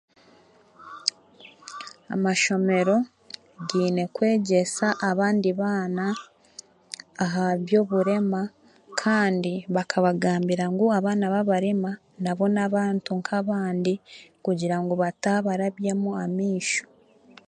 Amashomero gaine kwegyesa abandi baana aha by'oburema kandi bakabagambira ngu abaana babarema nabo n'abantu nk'abandi kugira ngu bataabarabyamu amaisho